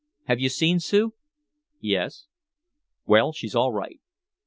Have you seen Sue?" "Yes." "Well, she's all right."